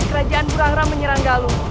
kerajaan burangra menyerang galau